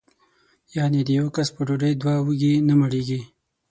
یعنې د یوه کس په ډوډۍ دوه وږي نه مړېږي.